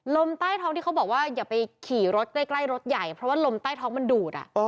ลมใต้ท้องที่เขาบอกว่าอย่าไปขี่รถใกล้รถใหญ่เพราะว่าลมใต้ท้องมันดูด